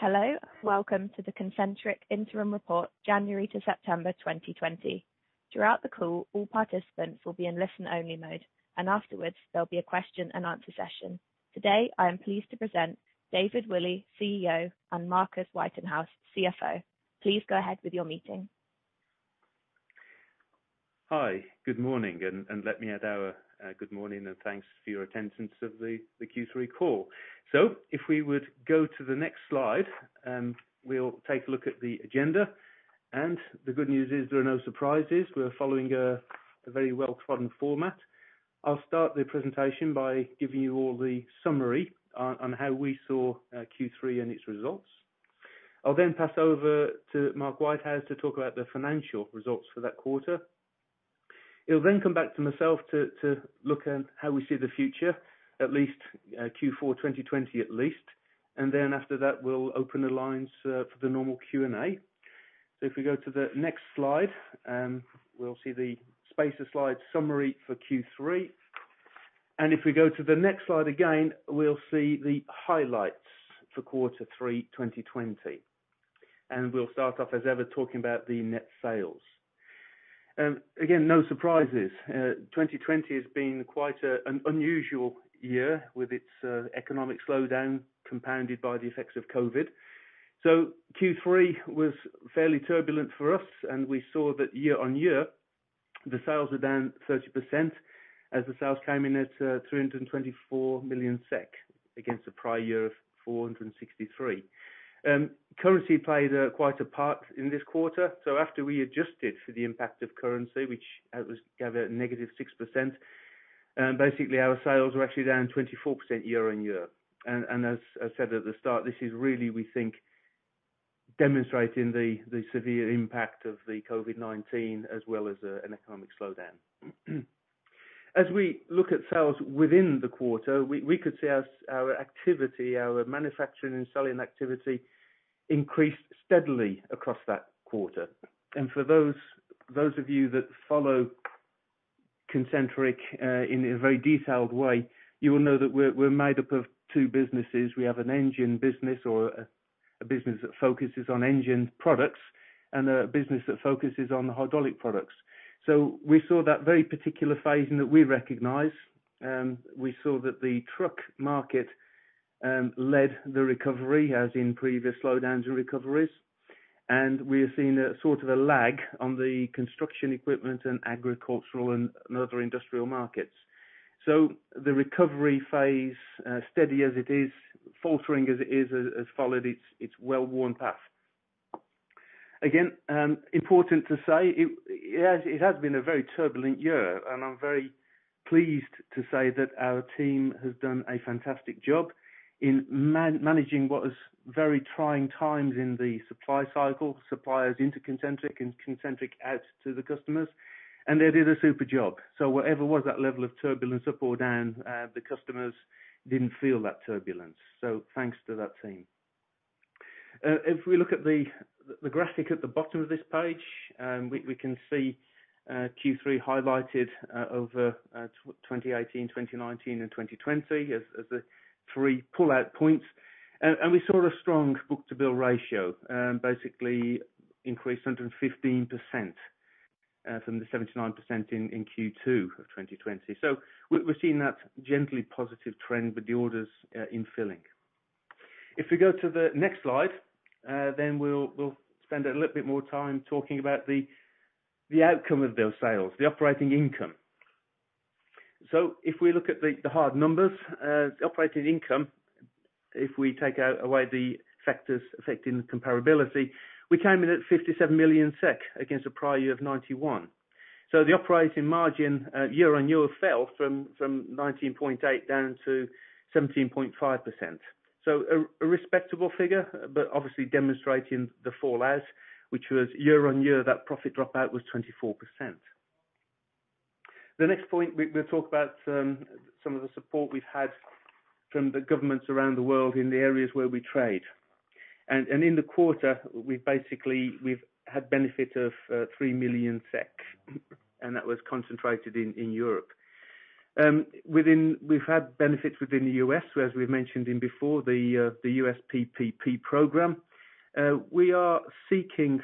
Hello, welcome to the Concentric Interim Report, January to September 2020. Throughout the call, all participants will be in listen-only mode, and afterwards there will be a question and answer session. Today, I am pleased to present David Woolley, CEO, and Marcus Whitehouse, CFO. Please go ahead with your meeting. Hi, good morning. Let me add our good morning and thanks for your attendance of the Q3 call. If we would go to the next slide, we'll take a look at the agenda. The good news is there are no surprises. We are following a very well-trodden format. I'll start the presentation by giving you all the summary on how we saw Q3 and its results. I'll pass over to Mark Whitehouse to talk about the financial results for that quarter. It'll come back to myself to look at how we see the future, at least Q4 2020 at least. After that, we'll open the lines for the normal Q&A. If we go to the next slide, we'll see the spacer slide summary for Q3. If we go to the next slide again, we'll see the highlights for quarter three 2020. We'll start off, as ever, talking about the net sales. Again, no surprises. 2020 has been quite an unusual year, with its economic slowdown compounded by the effects of COVID-19. Q3 was fairly turbulent for us, and we saw that year-on-year, the sales were down 30% as the sales came in at 324 million SEK against the prior year of 463. Currency played quite a part in this quarter. After we adjusted for the impact of currency, which was negative 6%, basically our sales were actually down 24% year-on-year. As I said at the start, this is really, we think, demonstrating the severe impact of the COVID-19 as well as an economic slowdown. As we look at sales within the quarter, we could see our activity, our manufacturing and selling activity increased steadily across that quarter. For those of you that follow Concentric in a very detailed way, you will know that we're made up of two businesses. We have an engine business or a business that focuses on engine products and a business that focuses on the hydraulic products. We saw that very particular phasing that we recognize. We saw that the truck market led the recovery, as in previous slowdowns and recoveries. We have seen a sort of a lag on the construction equipment and agricultural and other industrial markets. The recovery phase, steady as it is, faltering as it is, has followed its well-worn path. Important to say, it has been a very turbulent year, and I'm very pleased to say that our team has done a fantastic job in managing what was very trying times in the supply cycle, suppliers into Concentric and Concentric out to the customers, and they did a super job. Whatever was that level of turbulence up or down, the customers didn't feel that turbulence. Thanks to that team. If we look at the graphic at the bottom of this page, we can see Q3 highlighted over 2018, 2019, and 2020 as the three pull-out points. We saw a strong book-to-bill ratio, basically increased 115% from the 79% in Q2 of 2020. We're seeing that gently positive trend with the orders in filling. If we go to the next slide, we'll spend a little bit more time talking about the outcome of those sales, the operating income. If we look at the hard numbers, operating income, if we take away the factors affecting the comparability, we came in at 57 million SEK against a prior year of 91 SEK. The operating margin year-on-year fell from 19.8% down to 17.5%. A respectable figure, obviously demonstrating the fall, which was year-on-year, that profit dropout was 24%. The next point we'll talk about some of the support we've had from the governments around the world in the areas where we trade. In the quarter, we've had benefit of 3 million SEK, that was concentrated in Europe. We've had benefits within the U.S., as we've mentioned in before, the U.S. PPP program. We are seeking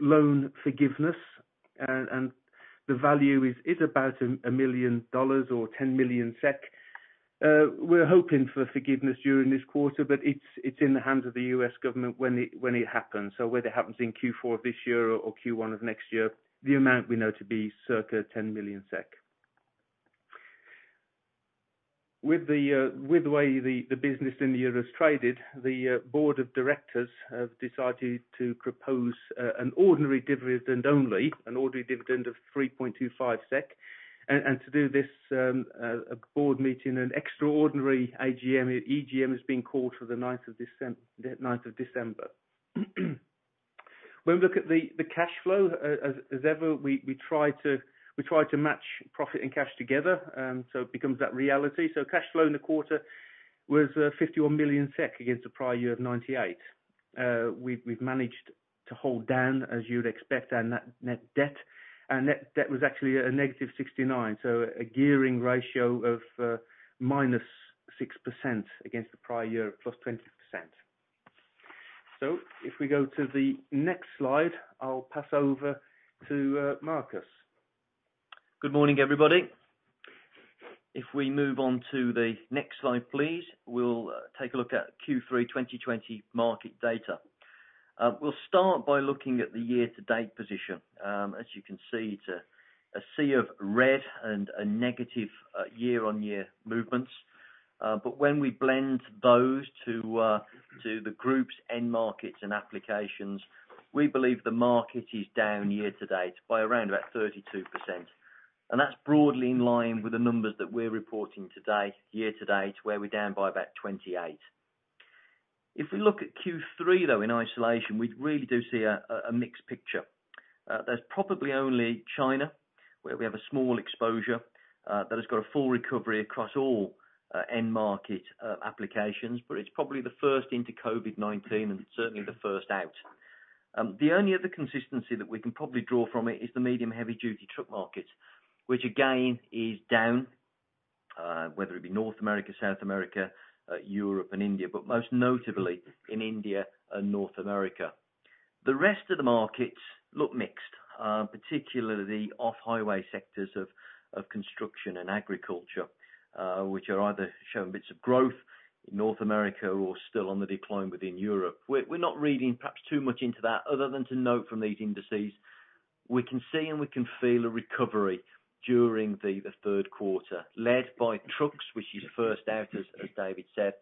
loan forgiveness, and the value is about $1 million or 10 million SEK. We're hoping for forgiveness during this quarter, but it's in the hands of the U.S. government when it happens. Whether it happens in Q4 of this year or Q1 of next year, the amount we know to be circa 10 million SEK. With the way the business in the year has traded, the board of directors have decided to propose an ordinary dividend only, an ordinary dividend of 3.25 SEK. To do this, a board meeting, an extraordinary EGM, is being called for the 9th of December. When we look at the cash flow, as ever, we try to match profit and cash together so it becomes that reality. Cash flow in the quarter was 51 million SEK against a prior year of 98. We've managed to hold down, as you'd expect, our net debt. Our net debt was actually a negative 69, so a gearing ratio of -6% against the prior year of +20%. If we go to the next slide, I'll pass over to Marcus. Good morning, everybody. If we move on to the next slide, please, we'll take a look at Q3 2020 market data. We'll start by looking at the year-to-date position. As you can see, it's a sea of red and negative year-on-year movements. When we blend those to the group's end markets and applications, we believe the market is down year-to-date by around about 32%, and that's broadly in line with the numbers that we're reporting today, year-to-date, where we're down by about 28%. If we look at Q3, though, in isolation, we really do see a mixed picture. There's probably only China, where we have a small exposure that has got a full recovery across all end market applications, but it's probably the first into COVID-19 and certainly the first out. The only other consistency that we can probably draw from it is the medium heavy duty truck market, which again is down, whether it be North America, South America, Europe, and India, but most notably in India and North America. The rest of the markets look mixed, particularly off-highway sectors of construction and agriculture, which are either showing bits of growth in North America or still on the decline within Europe. We're not reading perhaps too much into that other than to note from these indices, we can see and we can feel a recovery during the third quarter, led by trucks, which is first out, as David said,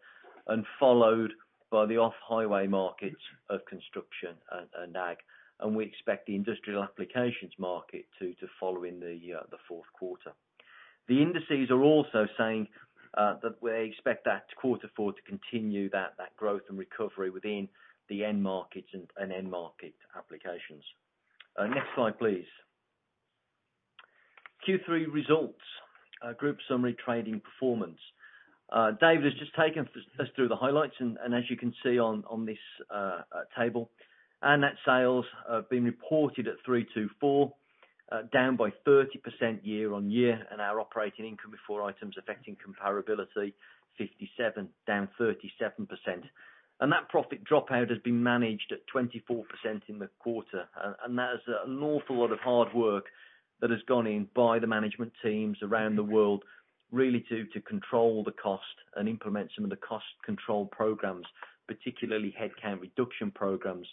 and followed by the off-highway markets of construction and ag. We expect the industrial applications market to follow in the fourth quarter. The indices are also saying that we expect that quarter forward to continue that growth and recovery within the end markets and end market applications. Next slide, please. Q3 results. Group summary trading performance. David has just taken us through the highlights, and as you can see on this table, our net sales have been reported at 324, down by 30% year-on-year, and our operating income before items affecting comparability, 57, down 37%. That profit dropout has been managed at 24% in the quarter. That is an awful lot of hard work that has gone in by the management teams around the world really to control the cost and implement some of the cost control programs, particularly headcount reduction programs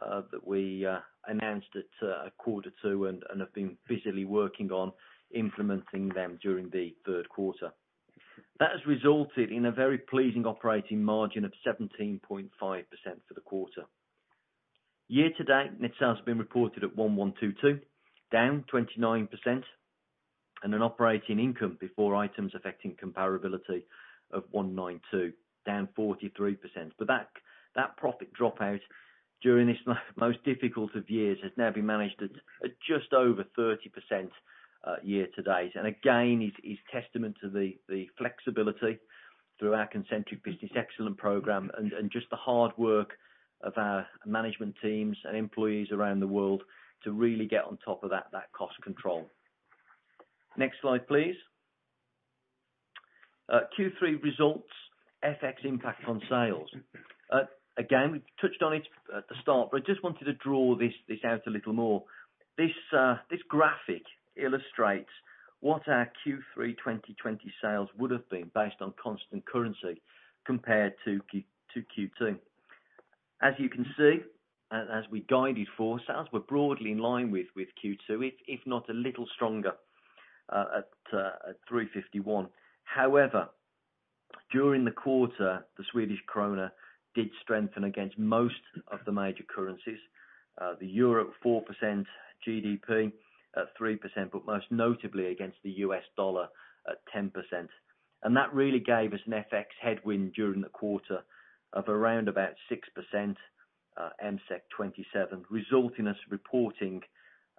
that we announced at quarter two and have been busily working on implementing them during the third quarter. That has resulted in a very pleasing operating margin of 17.5% for the quarter. Year-to-date, net sales have been reported at 1,122, down 29%, and an operating income before items affecting comparability of 192, down 43%. That profit dropout during this most difficult of years has now been managed at just over 30% year-to-date, and again, is testament to the flexibility through our Concentric Business Excellence program and just the hard work of our management teams and employees around the world to really get on top of that cost control. Next slide, please. Q3 results FX impact on sales. Again, we touched on it at the start, but I just wanted to draw this out a little more. This graphic illustrates what our Q3 2020 sales would have been based on constant currency compared to Q2. As you can see, as we guided for, sales were broadly in line with Q2, if not a little stronger at 351 million. During the quarter, the Swedish krona did strengthen against most of the major currencies. The EUR at 4%, GBP at 3%, most notably against the USD at 10%. That really gave us an FX headwind during the quarter of around about 6%, 27 million, resulting in us reporting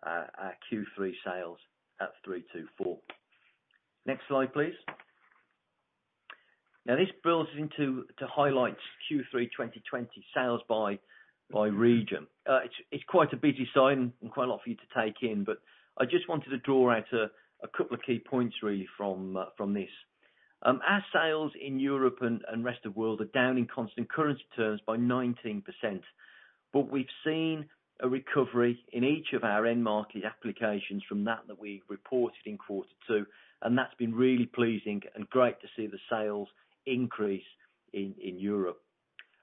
our Q3 sales at 324 million. Next slide, please. This builds into highlights Q3 2020 sales by region. It's quite a busy slide and quite a lot for you to take in, I just wanted to draw out a couple of key points really from this. Our sales in Europe and rest of world are down in constant currency terms by 19%, but we've seen a recovery in each of our end market applications from that that we reported in Q2, and that's been really pleasing and great to see the sales increase in Europe.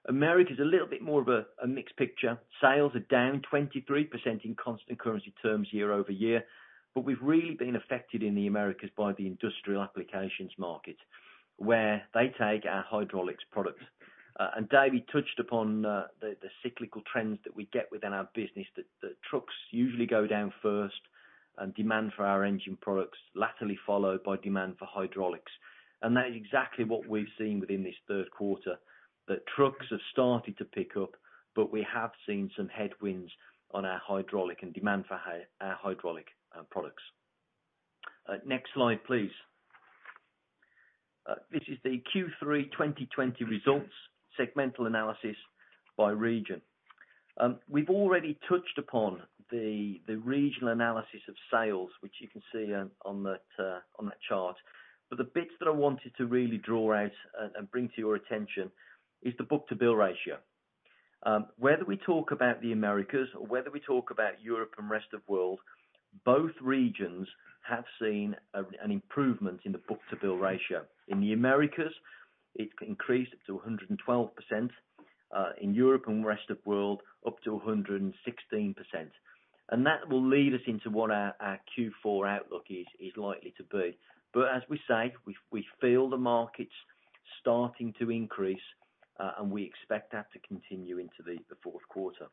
Americas is a little bit more of a mixed picture. Sales are down 23% in constant currency terms year-over-year, but we've really been affected in the Americas by the industrial applications market, where they take our hydraulics products. David touched upon the cyclical trends that we get within our business that trucks usually go down first and demand for our engine products latterly followed by demand for hydraulics. That is exactly what we've seen within this third quarter, that trucks have started to pick up, but we have seen some headwinds on our hydraulic and demand for our hydraulic products. Next slide, please. This is the Q3 2020 results segmental analysis by region. We've already touched upon the regional analysis of sales, which you can see on that chart. The bits that I wanted to really draw out and bring to your attention is the book-to-bill ratio. Whether we talk about the Americas or whether we talk about Europe and rest of world, both regions have seen an improvement in the book-to-bill ratio. In the Americas, it increased up to 112%, in Europe and rest of world, up to 116%. That will lead us into what our Q4 outlook is likely to be. As we say, we feel the markets starting to increase, and we expect that to continue into the fourth quarter.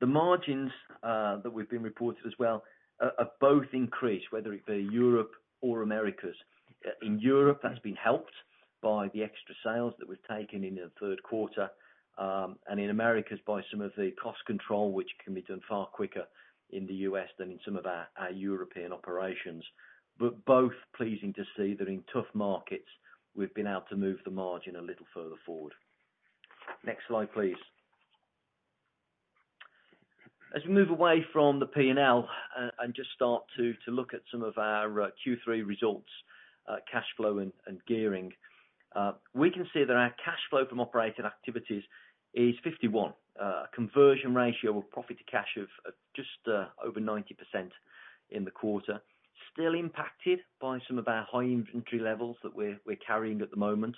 The margins that we've been reported as well have both increased, whether it be Europe or Americas. In Europe, that's been helped by the extra sales that we've taken in the third quarter, and in Americas by some of the cost control, which can be done far quicker in the U.S. than in some of our European operations. Both pleasing to see that in tough markets, we've been able to move the margin a little further forward. Next slide, please. As we move away from the P&L and just start to look at some of our Q3 results, cash flow and gearing, we can see that our cash flow from operating activities is 51, a conversion ratio of profit to cash of just over 90% in the quarter. Still impacted by some of our high inventory levels that we're carrying at the moment.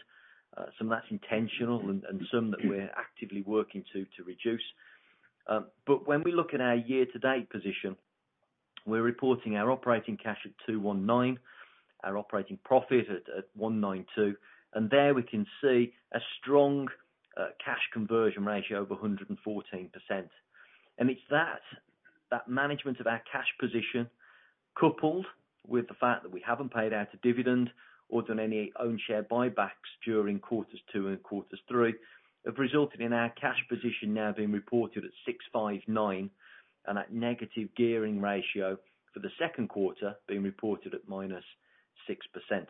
Some of that's intentional and some that we're actively working to reduce. When we look at our year-to-date position, we're reporting our operating cash at 219, our operating profit at 192, and there we can see a strong cash conversion ratio of 114%. It's that management of our cash position, coupled with the fact that we haven't paid out a dividend or done any own share buybacks during quarters two and quarters three, have resulted in our cash position now being reported at 659, and that negative gearing ratio for the second quarter being reported at minus 6%.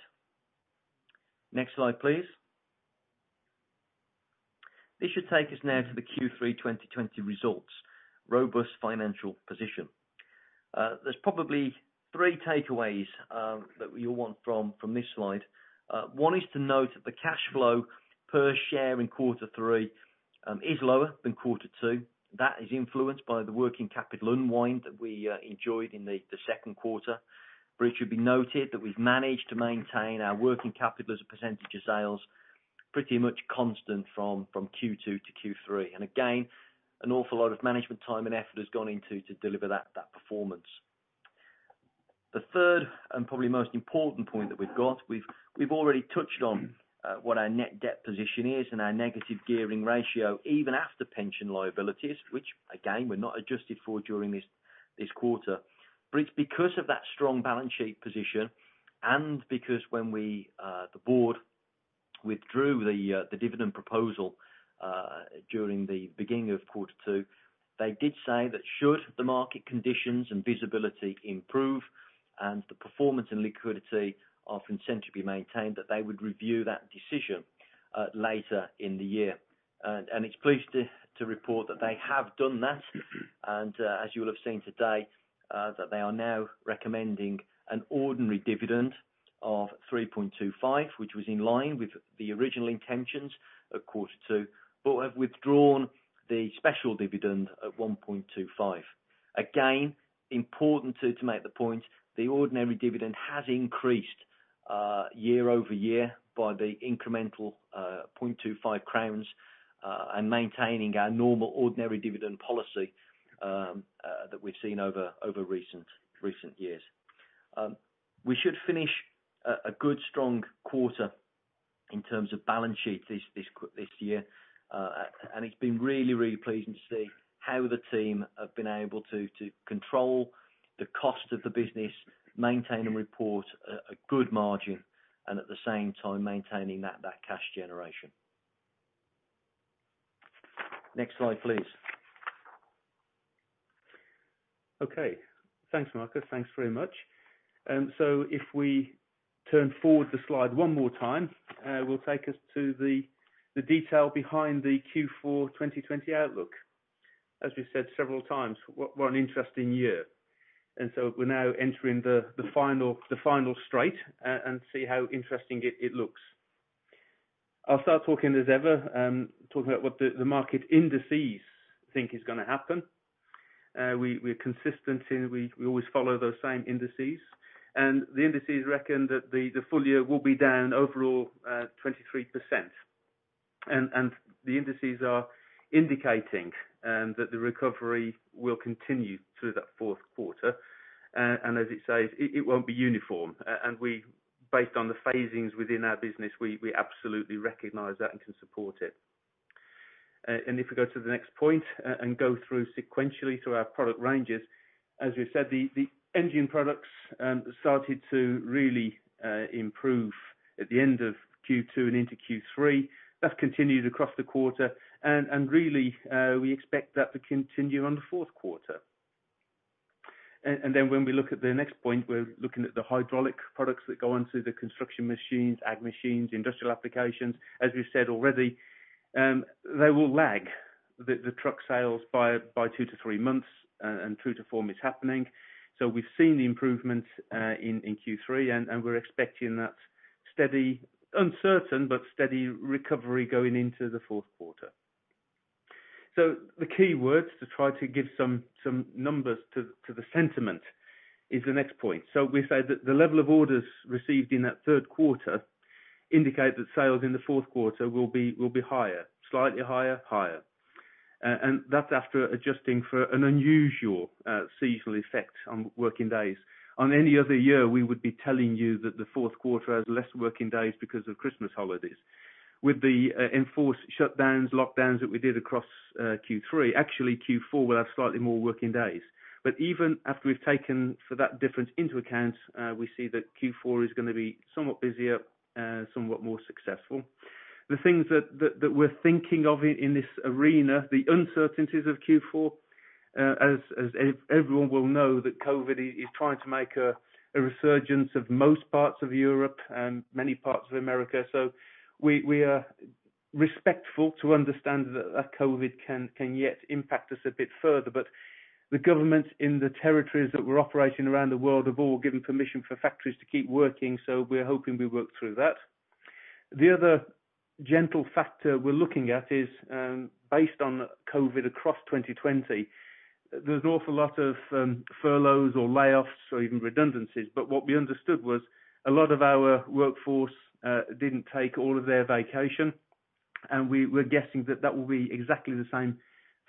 Next slide, please. This should take us now to the Q3 2020 results. Robust financial position. There's probably three takeaways that you'll want from this slide. One is to note that the cash flow per share in Q3 is lower than Q2. That is influenced by the working capital unwind that we enjoyed in Q2, but it should be noted that we've managed to maintain our working capital as a percentage of sales pretty much constant from Q2 to Q3. Again, an awful lot of management time and effort has gone into to deliver that performance. The third, and probably most important point that we've got, we've already touched on what our net debt position is and our negative gearing ratio, even after pension liabilities, which again, were not adjusted for during this quarter. It's because of that strong balance sheet position and because when the board withdrew the dividend proposal, during the beginning of quarter two, they did say that should the market conditions and visibility improve and the performance and liquidity of Concentric be maintained, that they would review that decision later in the year. It's pleased to report that they have done that, as you will have seen today, that they are now recommending an ordinary dividend of 3.25, which was in line with the original intentions at quarter two, but have withdrawn the special dividend at 1.25. Again, important to make the point, the ordinary dividend has increased year-over-year by the incremental 0.25 crowns, and maintaining our normal ordinary dividend policy that we've seen over recent years. We should finish a good strong quarter in terms of balance sheet this year. It's been really, really pleasing to see how the team have been able to control the cost of the business, maintain and report a good margin, and at the same time maintaining that cash generation. Next slide, please. Okay. Thanks, Marcus. Thanks very much. If we turn forward the slide one more time, will take us to the detail behind the Q4 2020 outlook. As we've said several times, what an interesting year. We're now entering the final straight and see how interesting it looks. I'll start talking as ever about what the market indices think is going to happen. We are consistent in we always follow those same indices. The indices reckon that the full-year will be down overall 23%. The indices are indicating that the recovery will continue through that fourth quarter. As it says, it won't be uniform. Based on the phasings within our business, we absolutely recognize that and can support it. If we go to the next point and go through sequentially through our product ranges, as we've said, the engine products started to really improve at the end of Q2 and into Q3. That's continued across the quarter, and really, we expect that to continue on the fourth quarter. When we look at the next point, we're looking at the hydraulic products that go into the construction machines, ag machines, industrial applications. As we've said already, they will lag the truck sales by two to three months, and true to form, it's happening. We've seen the improvements in Q3, and we're expecting that steady, uncertain, but steady recovery going into the fourth quarter. The key words to try to give some numbers to the sentiment is the next point. We say that the level of orders received in that third quarter indicate that sales in the fourth quarter will be higher, slightly higher. That's after adjusting for an unusual seasonal effect on working days. On any other year, we would be telling you that the fourth quarter has less working days because of Christmas holidays. With the enforced shutdowns, lockdowns that we did across Q3, actually Q4 will have slightly more working days. Even after we've taken for that difference into account, we see that Q4 is going to be somewhat busier and somewhat more successful. The things that we're thinking of in this arena, the uncertainties of Q4, as everyone will know, that COVID-19 is trying to make a resurgence of most parts of Europe and many parts of America. We are respectful to understand that COVID can yet impact us a bit further. The governments in the territories that we're operating around the world have all given permission for factories to keep working, so we're hoping we work through that. The other gentle factor we're looking at is based on COVID across 2020, there's an awful lot of furloughs or layoffs or even redundancies. What we understood was a lot of our workforce didn't take all of their vacation, and we're guessing that that will be exactly the same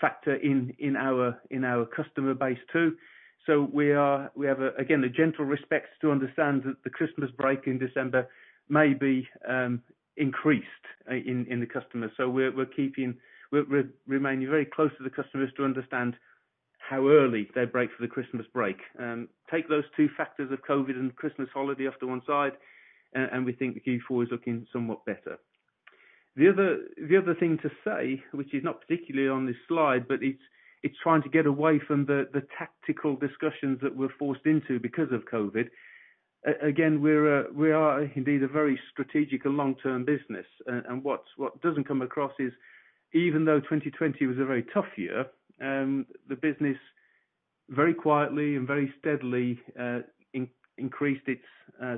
factor in our customer base, too. We have, again, a gentle respect to understand that the Christmas break in December may be increased in the customer. We're remaining very close to the customers to understand how early they break for the Christmas break. Take those two factors of COVID and Christmas holiday off to one side, and we think Q4 is looking somewhat better. The other thing to say, which is not particularly on this slide, but it's trying to get away from the tactical discussions that we're forced into because of COVID. Again, we are indeed a very strategic and long-term business. What doesn't come across is even though 2020 was a very tough year, the business very quietly and very steadily increased its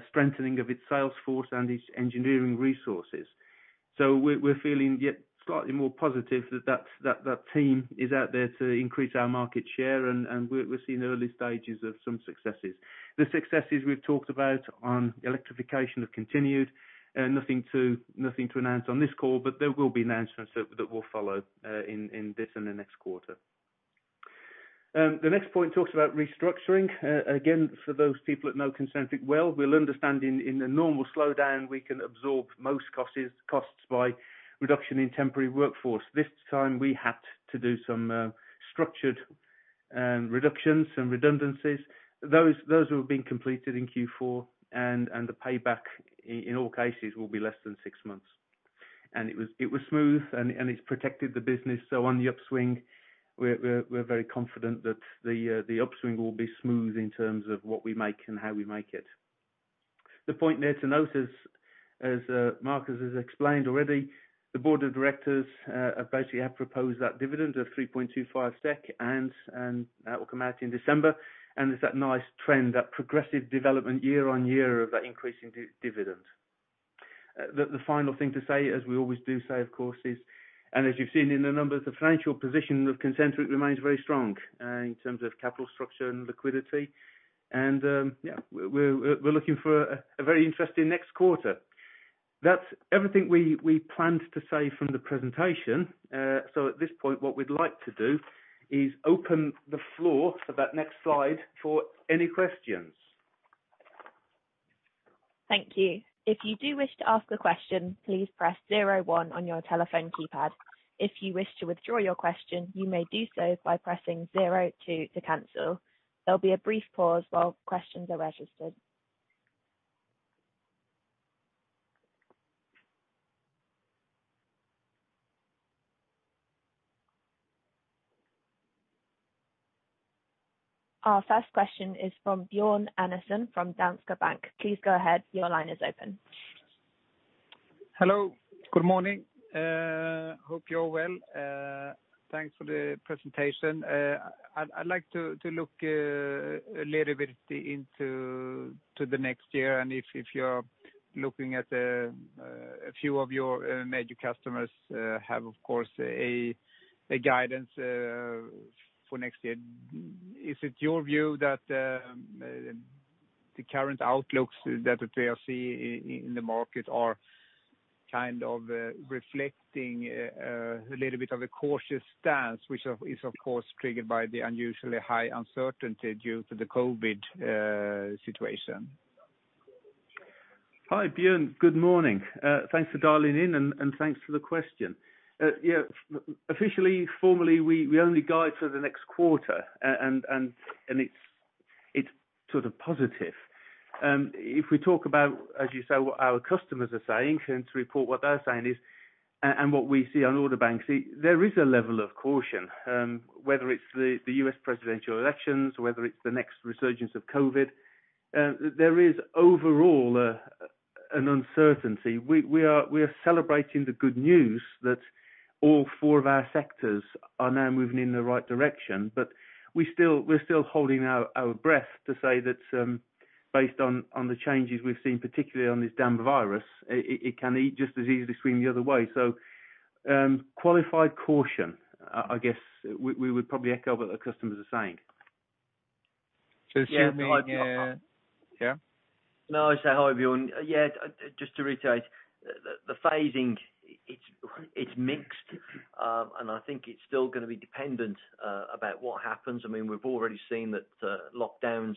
strengthening of its sales force and its engineering resources. We're feeling yet slightly more positive that that team is out there to increase our market share, and we're seeing early stages of some successes. The successes we've talked about on electrification have continued. Nothing to announce on this call, but there will be announcements that will follow in this and the next quarter. The next point talks about restructuring. Again, for those people that know Concentric well, we'll understand in a normal slowdown, we can absorb most costs by reduction in temporary workforce. This time we had to do some structured reductions, some redundancies. Those will have been completed in Q4. The payback in all cases will be less than six months. It was smooth, and it's protected the business. On the upswing, we're very confident that the upswing will be smooth in terms of what we make and how we make it. The point there to note, as Marcus has explained already, the board of directors basically have proposed that dividend of 3.25 SEK, and that will come out in December. There's that nice trend, that progressive development year-on-year of that increasing dividend. The final thing to say, as we always do say, of course, is, as you've seen in the numbers, the financial position of Concentric remains very strong in terms of capital structure and liquidity. We're looking for a very interesting next quarter. That's everything we planned to say from the presentation. At this point, what we'd like to do is open the floor for that next slide for any questions. Thank you. If you do wish to ask a question, please press zero one on your telephone keypad. If you wish to withdraw your question, you may do so by pressing zero two to cancel. There'll be a brief pause while questions are registered. Our first question is from Björn Enarson from Danske Bank. Please go ahead. Your line is open. Hello. Good morning. Hope you're well. Thanks for the presentation. I'd like to look a little bit into the next year, and if you're looking at a few of your major customers have, of course, a guidance for next year. Is it your view that the current outlooks that we are seeing in the market are kind of reflecting a little bit of a cautious stance, which is, of course, triggered by the unusually high uncertainty due to the COVID situation? Hi, Björn. Good morning. Thanks for dialing in, and thanks for the question. Officially, formally, we only guide for the next quarter, and it's sort of positive. If we talk about, as you say, what our customers are saying, and what we see on order banks, there is a level of caution, whether it's the U.S. presidential elections, whether it's the next resurgence of COVID-19, there is overall an uncertainty. We are celebrating the good news that all four of our sectors are now moving in the right direction. We're still holding our breath to say that based on the changes we've seen, particularly on this damn virus, it can just as easily swing the other way. Qualified caution, I guess we would probably echo what the customers are saying. So excuse me- Yeah. No, I say hi, Björn. Yeah, just to reiterate, the phasing, it's mixed. I think it's still going to be dependent about what happens. We've already seen that lockdowns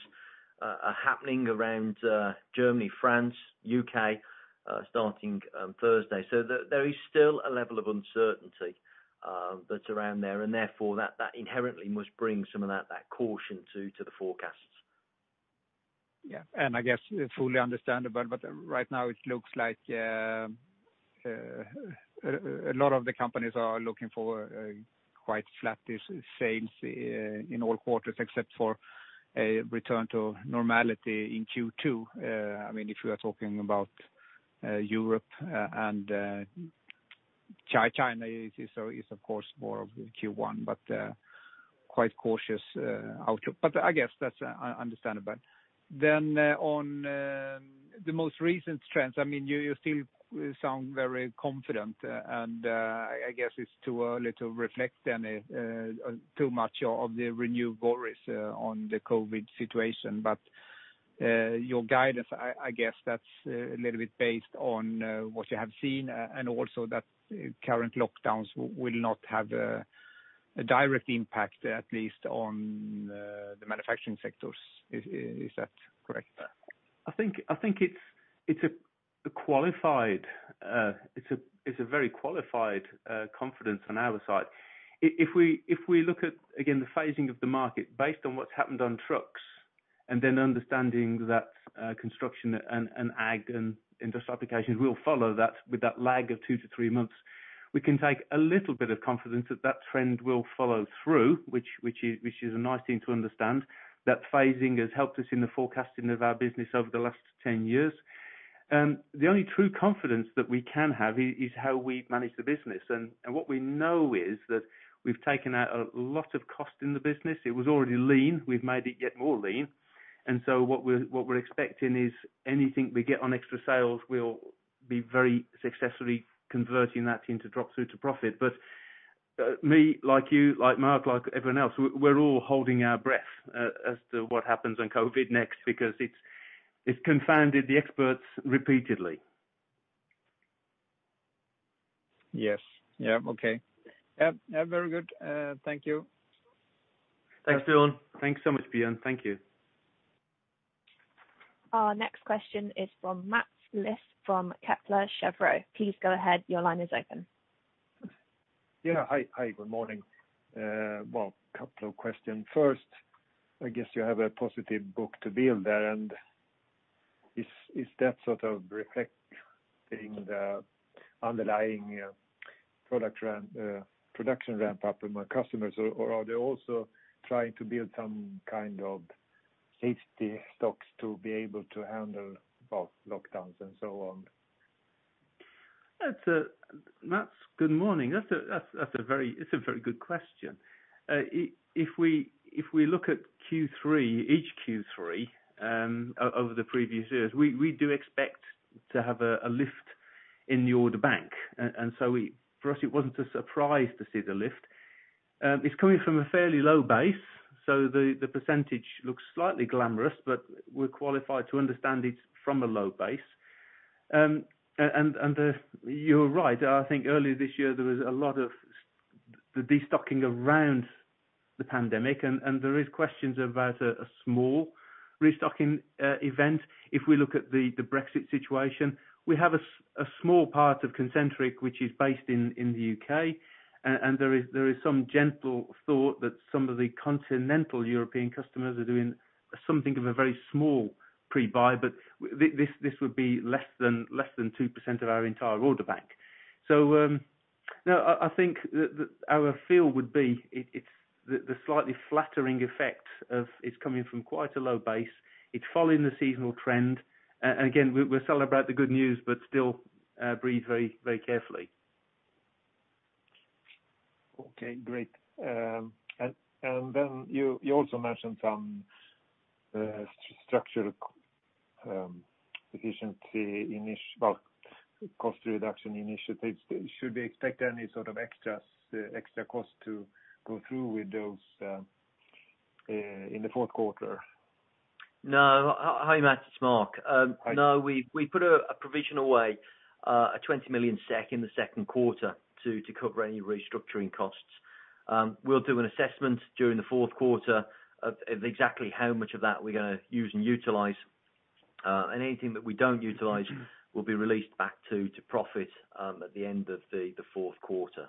are happening around Germany, France, U.K., starting Thursday. There is still a level of uncertainty that's around there, and therefore that inherently must bring some of that caution to the forecasts. Yeah. I guess fully understandable. Right now it looks like a lot of the companies are looking for quite flattish sales in all quarters except for a return to normality in Q2. If you are talking about Europe and China is of course more of Q1, but quite cautious outlook. I guess that's understandable. On the most recent trends, you still sound very confident and I guess it's too early to reflect any too much of the renewed worries on the COVID situation. Your guidance, I guess that's a little bit based on what you have seen and also that current lockdowns will not have a direct impact at least on the manufacturing sectors. Is that correct? I think it's a very qualified confidence on our side. If we look at, again, the phasing of the market based on what's happened on trucks, and then understanding that construction and ag and industrial applications will follow that with that lag of two to three months, we can take a little bit of confidence that that trend will follow through, which is a nice thing to understand. That phasing has helped us in the forecasting of our business over the last 10 years. The only true confidence that we can have is how we manage the business. What we know is that we've taken out a lot of cost in the business. It was already lean. We've made it yet more lean. What we're expecting is anything we get on extra sales, we'll be very successfully converting that into drop-through to profit. Me, like you, like Mark, like everyone else, we're all holding our breath as to what happens on COVID next because it's confounded the experts repeatedly. Yes. Okay. Very good. Thank you. Thanks, Björn. Thanks so much, Björn. Thank you. Our next question is from Mats Liss from Kepler Cheuvreux. Please go ahead. Your line is open. Yeah. Hi, good morning. Well, couple of questions. First, I guess you have a positive book-to-bill there. Is that sort of reflecting the underlying production ramp-up among customers, or are they also trying to build some kind of safety stocks to be able to handle lockdowns and so on? Mats, good morning. It's a very good question. If we look at Q3, each Q3 over the previous years, we do expect to have a lift in the order bank. For us, it wasn't a surprise to see the lift. It's coming from a fairly low base, so the percentage looks slightly glamorous, but we're qualified to understand it's from a low base. You're right, I think earlier this year, there was a lot of the destocking around the pandemic, and there is questions about a small restocking event. If we look at the Brexit situation, we have a small part of Concentric, which is based in the U.K., and there is some gentle thought that some of the continental European customers are doing something of a very small pre-buy, but this would be less than 2% of our entire order bank. No, I think that our feel would be it's the slightly flattering effect of it's coming from quite a low base. It's following the seasonal trend. Again, we celebrate the good news, but still breathe very carefully. Okay, great. You also mentioned some structural efficiency, well, cost reduction initiatives. Should we expect any sort of extra cost to go through with those in the fourth quarter? No. Hi, Mats, it's Mark. Hi. We put a provision away, 20 million SEK in the second quarter to cover any restructuring costs. We'll do an assessment during the fourth quarter of exactly how much of that we're going to use and utilize. Anything that we don't utilize will be released back to profit at the end of the fourth quarter.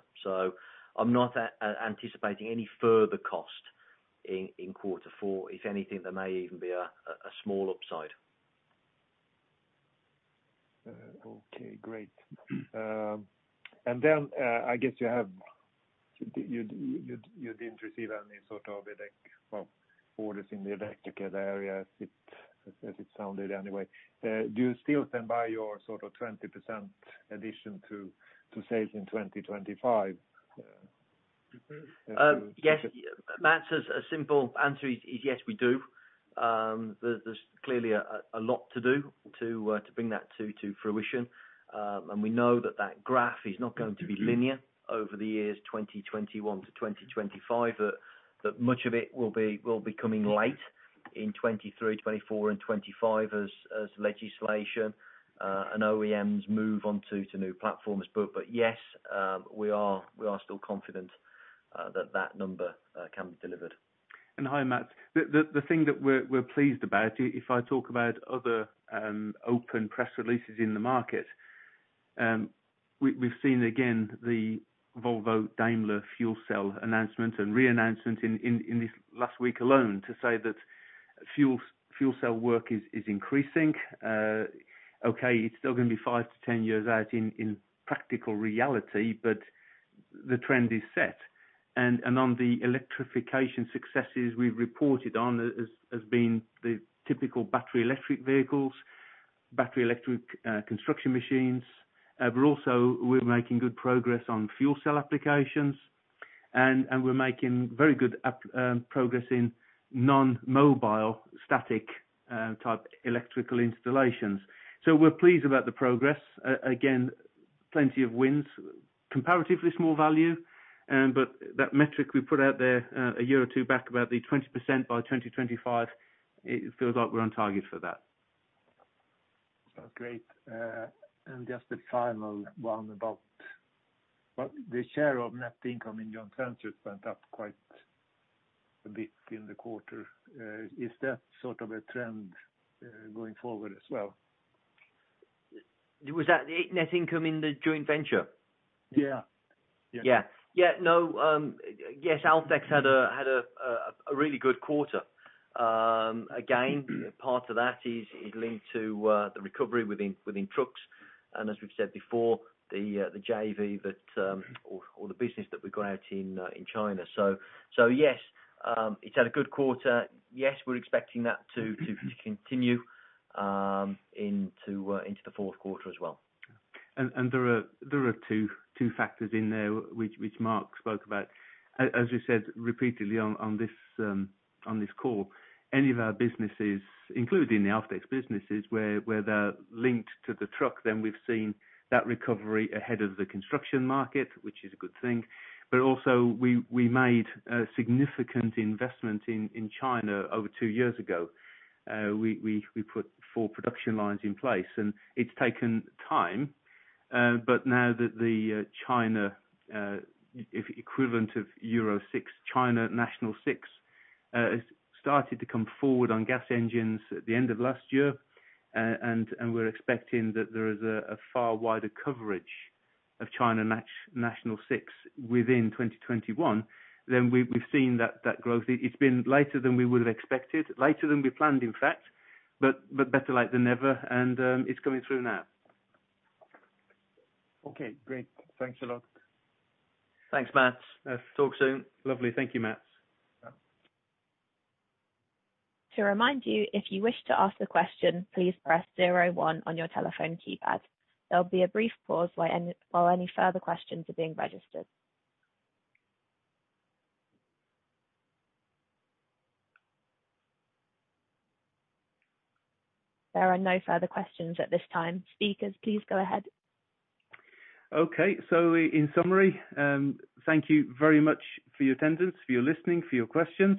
I'm not anticipating any further cost in quarter four. If anything, there may even be a small upside. Okay, great. I guess you didn't receive any sort of orders in the electrical area, as it sounded anyway. Do you still stand by your sort of 20% addition to sales in 2025? Yes. Mats, a simple answer is yes, we do. There's clearly a lot to do to bring that to fruition. We know that that graph is not going to be linear over the years 2021 to 2025, that much of it will be coming late in 2023, 2024, and 2025, as legislation and OEMs move on to new platforms. Yes, we are still confident that that number can be delivered. Hi, Mats. The thing that we're pleased about, if I talk about other open press releases in the market, we've seen, again, the Volvo Daimler fuel cell announcement and re-announcement in this last week alone to say that fuel cell work is increasing. It's still going to be five to 10 years out in practical reality. The trend is set. On the electrification successes we've reported on has been the typical battery electric vehicles, battery electric construction machines. We're also making good progress on fuel cell applications. We're making very good progress in non-mobile static type electrical installations. We're pleased about the progress. Again, plenty of wins, comparatively small value. That metric we put out there a year or two back about the 20% by 2025, it feels like we're on target for that. Great. Just a final one about the share of net income in joint ventures went up quite a bit in the quarter. Is that sort of a trend going forward as well? Was that the net income in the joint venture? Yeah. Yes, Alfdex had a really good quarter. Part of that is linked to the recovery within trucks, and as we've said before, the JV or the business that we got out in China. Yes, it's had a good quarter. Yes, we're expecting that to continue into the fourth quarter as well. There are two factors in there which Mark spoke about. As we said repeatedly on this call, any of our businesses, including the Alfdex businesses, where they're linked to the truck, then we've seen that recovery ahead of the construction market, which is a good thing. Also we made a significant investment in China over two years ago. We put four production lines in place, and it's taken time. Now that the China equivalent of Euro 6, China 6, has started to come forward on gas engines at the end of last year, and we're expecting that there is a far wider coverage of China 6 within 2021, then we've seen that growth. It's been later than we would have expected, later than we planned, in fact, but better late than never, and it's coming through now. Okay, great. Thanks a lot. Thanks, Mats. Talk soon. Lovely. Thank you, Mats. Yeah. To remind you, if you wish to ask a question, please press zero one on your telephone keypad. There'll be a brief pause while any further questions are being registered. There are no further questions at this time. Speakers, please go ahead. In summary, thank you very much for your attendance, for your listening, for your questions.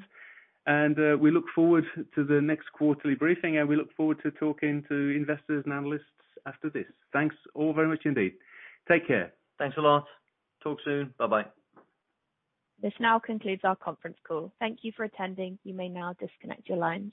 We look forward to the next quarterly briefing, and we look forward to talking to investors and analysts after this. Thanks all very much indeed. Take care. Thanks a lot. Talk soon. Bye-bye. This now concludes our conference call. Thank you for attending. You may now disconnect your lines.